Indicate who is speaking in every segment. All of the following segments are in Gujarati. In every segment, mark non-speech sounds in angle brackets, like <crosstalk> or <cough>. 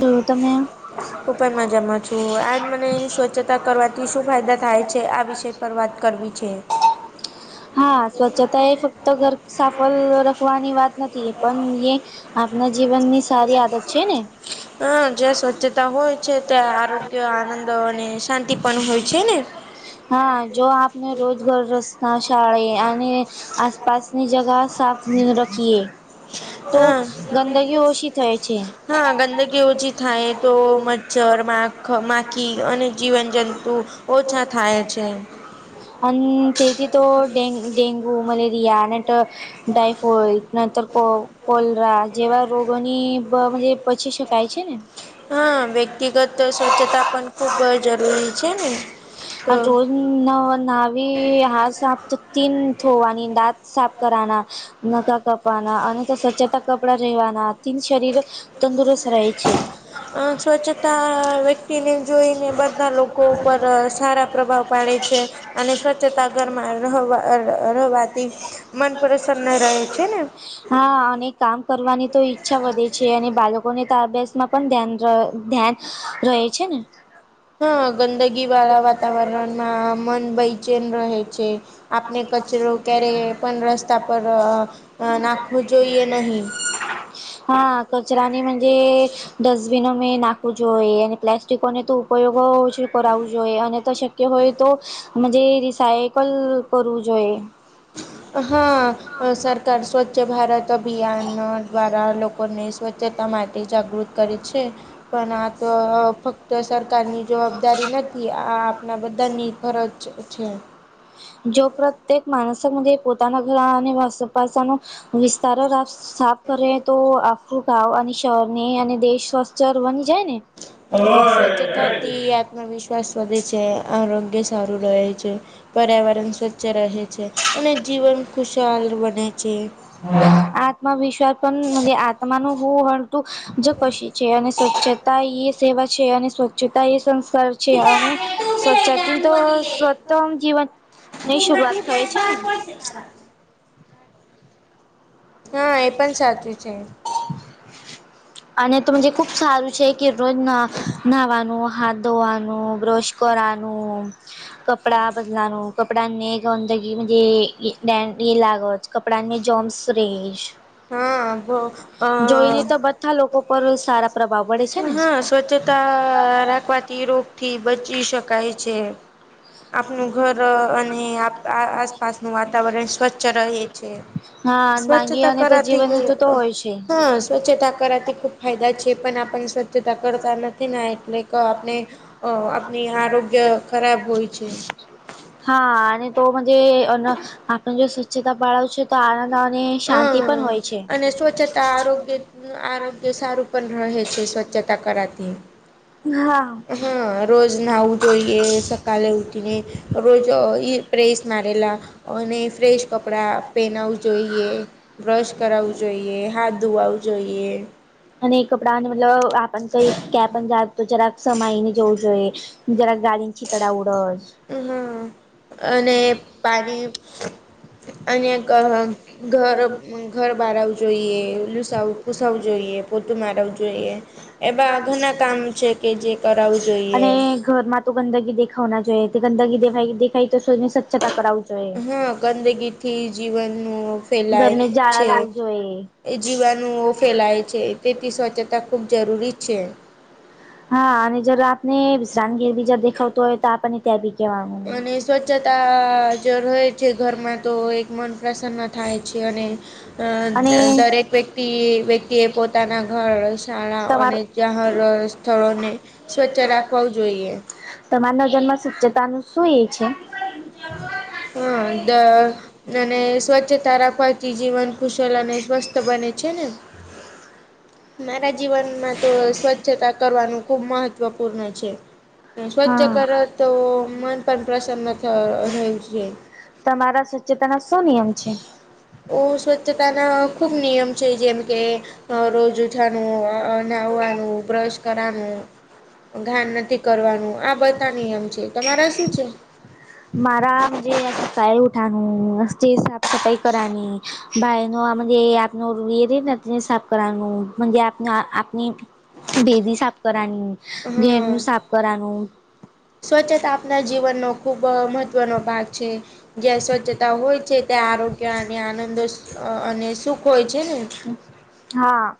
Speaker 1: તો તમે
Speaker 2: હું પણ મજામાં છુ, આજ મને સ્વચ્છતા કરવાથી શું ફાયદા થાય છે, આ વિશે પર વાત કરવી છે. <inaudible>
Speaker 1: હા સ્વચ્છતા એ ફક્ત ઘર સાફલ રખવાની વાત નથી એ પણ એ આપના જીવનની સારી આદત છેને.
Speaker 2: હ જ્યાં સ્વચ્છતા હોય છે ત્યાં આરોગ્ય આનંદ અને શાંતિ પણ હોય છેને.
Speaker 1: હા જો આપને રોજ બરોજ રસ્તા શાળી અને આસપાસની જગહ સાફ ને રખીએ તો
Speaker 2: હા
Speaker 1: ગંદગી ઓછી થાય છે.
Speaker 2: હા ગંદકી ઓછી થાય તો મચ્છર માખ માખી અને જીવન જંતુ ઓછા થાય છે.
Speaker 1: અને તેથી તો ડે ડેન્ગુ મલેરિયા અને ટાયફોઇડ નર તો કો કોલરા જેવા રોગોની પછી શકાય છેને.
Speaker 2: હા વ્યક્તિગત સ્વચ્છતા પણ ખુબ જરૂરી છે, ને? તો
Speaker 1: હમ્મ નવ નવી હા સાફ તો તીન થોવાની દાંત સાફ કરવના નકા કપાના આની તો સ્ચતા કપડા રેવાના તીન શરીર તંદુરસ્ત રહે છે.
Speaker 2: અ સ્વચ્છતા વ્યક્તિને જોઈને બધા લોકો ઉપર સારા પ્રભાવ પાડે છે. અને સ્વચ્છતા ઘરમાં રહવા રહવાથી મન પ્રસન્ન રહે છે, ને
Speaker 1: હા અને કામ કરવાની તો ઈચ્છા વધે છે, અને બાલકોને તો અભ્યાસમાં પણ ધ્યાન ર ધ્યાન રહે છે, ને
Speaker 2: હા ગંદગી વાળા વાતાવરણમાં મન બયચેન રહે છે. આપને કચરો ક્યારેય પણ રસ્તા પર અ નાખવું જોઈએ નહીં
Speaker 1: હા કચરાની મનજે ડસ્ટબિન મેં નાખવું જોઈએ અને પ્લાસ્ટિકોને તો ઉપયોગો જે કરાવવું જોઈએ અને તો શક્ય હોય તો મજે રિસાયકલ કરવું જોઈએ.
Speaker 2: હા. અ સરકાર સ્વચ્છ ભારત અભિયા નો દ્વારા લોકોને સ્વચ્છતા માટે જાગૃત કરે છે, પણ આ તો ફક્ ત સરકારની જવાબદારી નથી આ આપણા બધાની ફરજ જ છે.
Speaker 1: જો પ્રત્યેક માણસા મજે પોતાના ઘરા અને વાસપાસાનો વિસ્તાર રા સાફ કરે તો આ ખુ ગાવ અને શરને અને દેશ સ્વચર બની જાય ને
Speaker 2: સ્વચ્છતાથી આત્મવિશ્વાસ વધે છે, અ આરોગ્ય સારું રહે છે. પર્યાવરણ સ્વચ્છ રહે છે, અને જીવન ખુશાલ બને છે. હા
Speaker 1: આત્મવિશ્વાસ પણ મજે આત્માનું હું હ તુ જ કશી છે, અને સ્વચ્છતા એ સેવા છે, અને સ્વચ્છતા એ સંસ્કાર છે, અને સ્વચ્તી તો સ્વતમ જીવન ની શુંરૂઆત થય છે, ને
Speaker 2: <inaudible> હા એ પણ સાચું છે.
Speaker 1: અને તો મજે ખૂબ સારું છે, કે રોજ ના નાવાનું હાથ ધોવાનું બ્રશ કરાનું કપડાં બદલાવાનું કપડાને ગંદગી મજે ડેન્ડ એ લાગત કપડાને જોમ્સ રેય
Speaker 2: હા અ
Speaker 1: જોઈને તો બધા લોકો પર સારા પ્રભાવ પડે છે, ને
Speaker 2: ચતા રાખવાથી રોગથી બચી શકાય છે. આપનું ઘર અને આ આસપાસનું વાતાવરણ સ્વચ્છ રહે છે.
Speaker 1: હા માંગી અને તો
Speaker 2: રાતી
Speaker 1: જીવન ઋતુ તો હોય છે
Speaker 2: હા સ્વચ્છતા કરાતી ખૂબ ફાયદા છે, પણ આપણ સ્વચ્છતા કરતા નથી ને એટલે ક આપને અ આપની આરોગ્ય ખરાબ હોય છે.
Speaker 1: હા અને તો મજ આપણે જો સ્વચ્છતા પાળવ છે. તો આનંદ અને શાંતિ પણ
Speaker 2: હમ
Speaker 1: હોય છે.
Speaker 2: અને સ્વચ્છતા આરોગ્ય આરોગ્ય સારું પણ રહેે છે, સ્વચ્છતા કરાથી
Speaker 1: હા.
Speaker 2: હા રોજ નાવું જોઈએ સકાલે ઉઠીને રોજ ઈ પ્રેસ મારેલા અને ફ્રેશ કપડા પેનાવું જોઈ બ્રશ કરું જોઈએ હાથ ધોવાું જોઈએ
Speaker 1: અને કપડા અને મતલબ આપ કઈ ક્યા પણ જા જરાક સમાય ને જવું જોઈએ જરાક ગાડી
Speaker 2: હમ અને પાણી અને ધ ઘર ઘર બારવું જોઈએ લુસાવું ઘુસાવું જોઈએ પોતું મારવું જોઈએ એવા ઘણા કામ છે, કે જે કરાવવું જોઈએ
Speaker 1: અને ઘરમાં તો ગંદગ દેખાવના જોઈએ, ગંદગી દે દેખાઈ તોને સ્વચ્છતા કરાવું જોઈએ.
Speaker 2: હા, ગંદગીથી જીવનનું
Speaker 1: ઘરને
Speaker 2: ફેલાય
Speaker 1: જાળા
Speaker 2: છે.
Speaker 1: લવું જોઈએ.
Speaker 2: એ જીવાણુઓ ફેલાય છે તેથી સ્વચ્છતા ખૂબ જરૂરી છે.
Speaker 1: હા અને જરા આપને વિશ્રણગીર બી જ દેખાવતું હોય તો આપણને ત્યાં બી કહેવાનું
Speaker 2: અને સ્વચ્છતા જો રહે છે ઘરમાં તો એક મન પ્રસન્ન થાય છે અને.
Speaker 1: અને
Speaker 2: અ દરેક વ્યક્તિ વ્યક્તિ એ પોતાના ઘર શાળા
Speaker 1: તમાર
Speaker 2: અને જ્યા સ્થળોને સ્વચ્છ રાખવા જોઈએ.
Speaker 1: તમારા ન જનમમાં સ્વચ્છતા ન શું એ છે.
Speaker 2: હા અને સ્વચ્છતા રાખવાથી જીવન કુશલ અને સ્વસ્થ બને છેને. મારા જીવન એમાં તો સ્વચ્છતા કરવાનું ખુબ મહત્વપૂર્ણ છે સ્વચ્છ
Speaker 1: હા
Speaker 2: કર તો મન પણ પ્રસન્ન થ હોય છે.
Speaker 1: તમારા સ્વચ્છતાના શું નિયમ છે.
Speaker 2: ઓ સ્વચ્છતાના ખૂબ નિયમ છે, જેમ કે અ રોજ ઉઠાનું નહવવાનું બ્રશ કરવાનું ઘાન નથી કરવાનું આ બધા નિયમ છે તમારા શું છે.
Speaker 1: મારાજ સાાય ઉઠાનું સાફ સફાાઈ કરની ભાઈનો આપનો ર રને સાફ કરવાનું આપ આપની ભેદી સાફ કરવાની
Speaker 2: હા
Speaker 1: ઘેરનુ સાફ કરવાનું
Speaker 2: ના જીવનનો ખૂબ મહત્ત્વનો ભાગ છે. જ્યાં સ્વચ્છતા હોય છે, ત્યાં આરોગ્ય અને આનંદો અને સુખ હોય છે ને
Speaker 1: હા.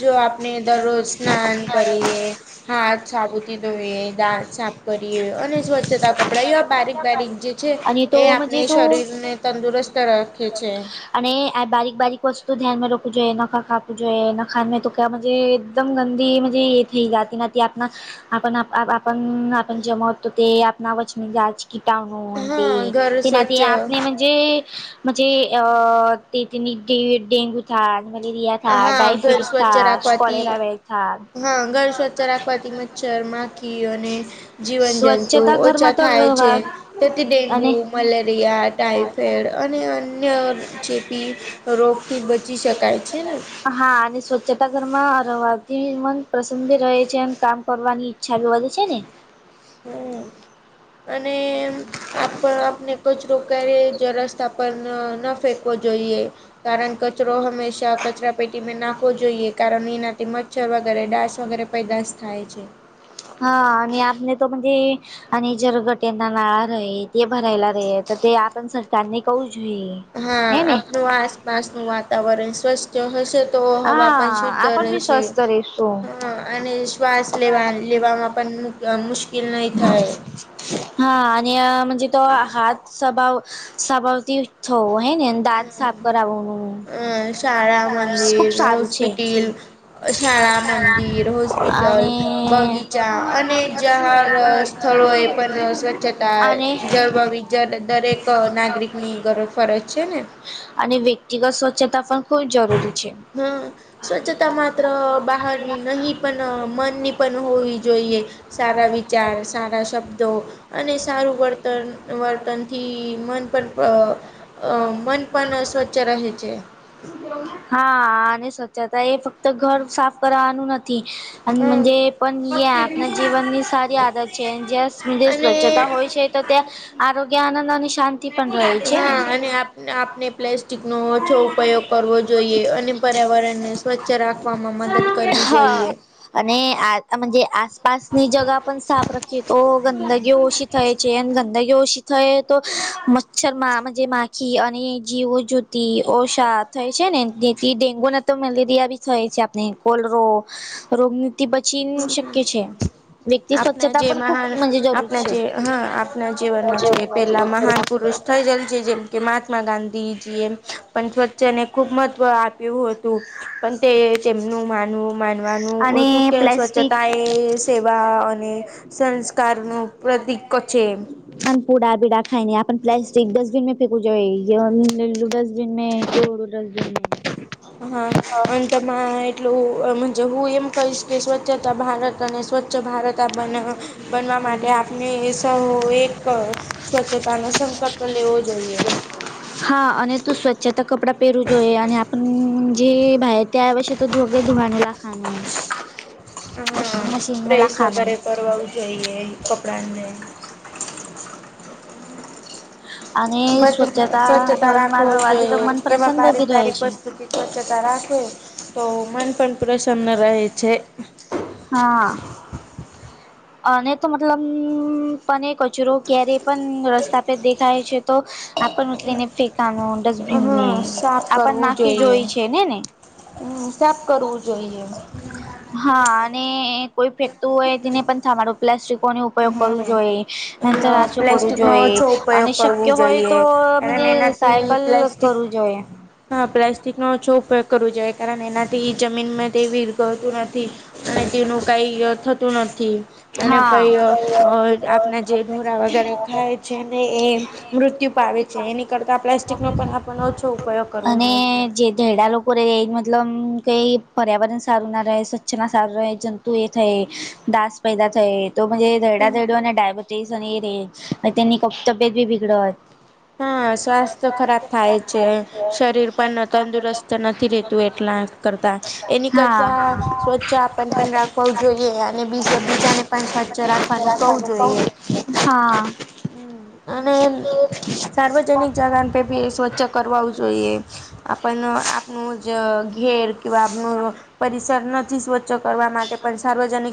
Speaker 2: જો આપને દરરોજ સ્નન કરી્યું હાથ સાબુતી ધોઈ દાંત સા કરીએ અને સ્વચ્છતા કપડા એવા બારીક બારીક જે છે
Speaker 1: અને તો
Speaker 2: એ આપણે
Speaker 1: મજે તો
Speaker 2: શરીરને તંદુરસ્ત રાખે છે.
Speaker 1: અને બારીક બારીક કછ તો ધ્યાનમાં રકું જોઈએ ના ખા ખાાવું જોઈએ ના ખા તો ક્યાજે એકદમ ગંદી મુજ એ થઈ જતી ના આપ આપ જમ તો તે આપણા અ વચની જ છે. કીટાણું
Speaker 2: હા ઘર
Speaker 1: અ તેના
Speaker 2: સ્વચ્છ
Speaker 1: આપણે જી જે આ <unintelligible>
Speaker 2: હા ઘર
Speaker 1: મલેરિયા
Speaker 2: સ્વચ્છ રાખવાથી
Speaker 1: થ ડાયફિટિક
Speaker 2: મ
Speaker 1: સ્કોલેરા
Speaker 2: ચરમાખી અને જીવન જંતુ
Speaker 1: સ્વચ્છતા
Speaker 2: ઓછા
Speaker 1: ઘરમાં તો
Speaker 2: થાય છે.
Speaker 1: રહેવા
Speaker 2: તોથી ડેન્ગુ
Speaker 1: અને
Speaker 2: મલેરિયા ટાઈફેડ અને અન્ય ચેપી રોગથી બચી શકાય છે ને
Speaker 1: હા અને સ્વચ્છતા ઘરમાં રવાથી મન પ્રસન્ન રહે છે એમ કામ કરવાની છાુંવાે છેને
Speaker 2: હમ અને આપ આપને કચ રોક જ રસ્તા પર ન ફેંકવો જોઈએ. કારણ કચરો હંમેશા કચરા પેટીને નાખવો જોઈએ કારણ એનાથી ચ્છર વગેરે ડાં વગેરે પેદાશ થાય છે.
Speaker 1: હા અને આને તોજે અને જરગટના નાળા રહેહીિત એ ભરાયલા રહે તો તે આપ સરકારને કહ જોઈએ.
Speaker 2: હા
Speaker 1: હે ને
Speaker 2: આપણું આસપાસ નું વાતાવરણ સ્વસ્થ હશે તો હવા
Speaker 1: હા
Speaker 2: પણ શુદ્ધ
Speaker 1: આપણ બી
Speaker 2: રહેશે.
Speaker 1: સ્વસ્થ રહીશું
Speaker 2: હ અને શ્વાસ લેવા લેવામાં પણ મુશ્કેલ નહી થાય.
Speaker 1: હા અનેજ તો હાથ સભાવ સભાવતી થવ હૈ ને. દાંત સાફ કરવુંનુ
Speaker 2: અ શાળા મંદિર
Speaker 1: છે
Speaker 2: હોસ્પિટલ. શાળા મંદિર હોસ્પિટલ
Speaker 1: અને
Speaker 2: બગીચા અને જાર. સ્થળો એ પણ સ્વચ્છતા
Speaker 1: અને
Speaker 2: જળબાવી દરેક નાગરિકની ગર ફરજ. ને.
Speaker 1: અને વ્યક્તિગત સ્વચ્છતા પણ ખૂબ જરૂરી છે.
Speaker 2: હા. સ્વચ્છતા માત્ર બહારની નહી પણ મનની પણ હોવી જોઈએ. સારા વિચાર સારા શબ્દો. અને સારું વર્તન વર્તનથી મન પણ. અ મન પણ સ્વચ્છ રાખે છે.
Speaker 1: હા અને સ. છતા એ ફક્ત ઘર સાફ કરવાવાનું નથી અનેજે પણ
Speaker 2: હ
Speaker 1: એ. જીવન ની સારી આદત છે જ્યાંધ
Speaker 2: અને
Speaker 1: સ્વચ્છતા હોય છે. તો ત્યાં આરોગ્ય આનંદ અને શાંતિ. પણ રહે છે ને
Speaker 2: હા અને આપને પ્લાસ્ટિક નો ઓછો ઉપયોગ કરવો જોઈએ અને પર્યાવરણને. સ્વચ્છ રાખવામાં મદદ કરવી જોઈએ.
Speaker 1: હા અને આજ આસ પાસની જગા પણ સાફ રાખી તો ગંદગી ઓછી થાય છે અને ગંદગી ઓછી થઈ તો મચ્છર માં માખી અને જીવો જુતી ઓછાત થાય છે ને તેથી ડેન્ગુ ને તો મેલેરિયા બી થાય છે આપણે કોલરોો રોગ. તે બચીને શક્ય છે. વ્યક્તિ
Speaker 2: આપણા
Speaker 1: સ્વચ્છતા
Speaker 2: જે
Speaker 1: પણ ખૂબ
Speaker 2: મહાન
Speaker 1: જરૂરી
Speaker 2: આપણા
Speaker 1: છે.
Speaker 2: જે હા આપણા
Speaker 1: જ
Speaker 2: જીવનમાં જે પેલા મહાન પુરુષ થઈ જલ છે જેમ કે મહાત્મા ગાંધીજીએમ પણ સ્વચ્છને ખુબ મહત્વ આપ્યું હતું પણ તે તેમનું માનવું માનવાનું
Speaker 1: અને
Speaker 2: હતું કે
Speaker 1: પ્લાસ્ટિક
Speaker 2: સ્વચ્છતા એ સેવા અને સંસ્કારનું પ્રતીિક છે.
Speaker 1: પણ પુડા બીડા ખાઈને પ્લાસ્ટિક ડસ્ટબિન ફેક જે ડસ્ટબિન ર.
Speaker 2: હા અ. એટલુંજ હું એમ કહીશ કે સ્વચ્છતા ભારત અને સ્વચ્છ ભારત આપને બનવા માટે આપને એક સ્વચ્છતા ન સંકલ્પ લેવો જોઈએ.
Speaker 1: હા અને તું સ્વચ્છતા કપડા પહેરું જોઈએ અને આપ જે ત્યાર પછી તો ધોગે ધોવાનું રાખવાનું.
Speaker 2: હા પ્રેસ વગેરે
Speaker 1: લાખાનું
Speaker 2: કરવાું જોઈએ. કપડાને
Speaker 1: અને
Speaker 2: બ સ્વચ્છતા
Speaker 1: ઘરમાં
Speaker 2: રાખવી
Speaker 1: રહેવાથી તો
Speaker 2: જોઈએ
Speaker 1: મન
Speaker 2: એવા
Speaker 1: પ્રસન્ન ભી રહે
Speaker 2: પારિપરિક
Speaker 1: છે
Speaker 2: વસ્તુ સ્વચ્છતા રાખે તો મન પણ પ્રસન્ન રહે છે.
Speaker 1: હા અને તો મતલબ પણ કચરો ક્યારેય પણ રસ્તા પરે દેખાય છે તો આપણ મતલે એને ફેંકાનું ડસ્ટબીનને
Speaker 2: હા સાફ
Speaker 1: આપણ
Speaker 2: કરવું
Speaker 1: નાખી
Speaker 2: જોઈએ
Speaker 1: જોય છે ને ને
Speaker 2: હમ સબ કરવું જોઈએ.
Speaker 1: હા અને કોઈ ફેંકતું હોય તેને પણ સાંભળું પ્લાસ્ટિકોનો ઉપયોગ કરવો
Speaker 2: હમ
Speaker 1: જોઈએ ન થરાશો કરવું
Speaker 2: પ્લાસ્ટિક નો
Speaker 1: જોઈએ
Speaker 2: ઓછો
Speaker 1: અને
Speaker 2: ઉપયોગ કરવો
Speaker 1: શક્ય હોય
Speaker 2: જોઈએ
Speaker 1: તો
Speaker 2: કારણ એનાથી
Speaker 1: સાયકલ
Speaker 2: પ્લાસ્ટિક
Speaker 1: કરું જોઈએ.
Speaker 2: હા પ્લાસ્ટિક નો ઓછો ઉપયોગ કરવો જોઈએ કારણ એનાથી જમીનમાં તે વિીરગતું નથી. અને તેનું કઈ થતું નથી અને પ
Speaker 1: હા
Speaker 2: આપણા જે ઢોરા વગેરે ખાય છે ને એ મૃત્યુ પાાવે છે. એની કરતા પ્લાસ્ટિક નો પણ આપણને ઓછો ઉપયોગ કરવો જોઈએ.
Speaker 1: ઘેડા લોકોકરે મતલબ કઈ પર્યાવરણ સારુંના છ ના સારું રહે જંતુ એ થઈ દાસ પેદા થાય તો દેડા દેડ અને ડાયબ સ્ટેશન એ રે તેની તબયત બી બિગડત
Speaker 2: હા સ્વાસ્થ્ય ખરાબ થાય છે શરીર પણ તંદુરસ્ત નથી રહેતું એટલા કરતા એની
Speaker 1: હા
Speaker 2: કરતા સ્વચ્છ આપ પણ રાખવા જોઈએ અને બીજા બીજાને પણ સ્વચ્છ રાખવાનું કવું જોઈએ.
Speaker 1: હા
Speaker 2: હમ અને સાર્વજનિક જગા પે બી સ્વચક કરવાવું જોઈએ આપ આપણ જ ઘેર કે આપનું પરિસર નથી સ્વચ્છ કરવા માટે પણ સાર્વજનિક